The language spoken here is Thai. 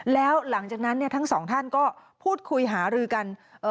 แล้วหลังจากนั้นทั้งสองท่านก็พูดคุยหารือกัน